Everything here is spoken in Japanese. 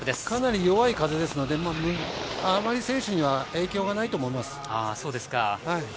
かなり弱い風ですので、あまり選手には影響がないと思います。